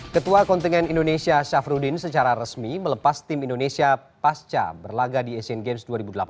ketua kontingen indonesia syafruddin secara resmi melepas tim indonesia pasca berlaga di asian games dua ribu delapan belas